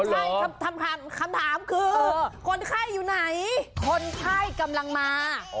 อ๋อเหรอใช่ค่ะคำถามคือคนไข้อยู่ไหนคนไข้กำลังมา